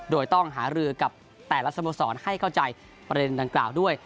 โดยต้องหารือกับแต่ละสโมสรให้เข้าใจประเด็นดังกล่าวด้วย